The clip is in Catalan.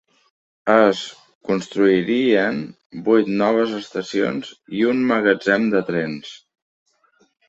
Es construirien vuit noves estacions i un magatzem de trens.